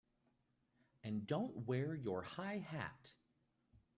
And don't wear your high hat!